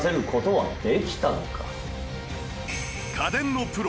家電のプロ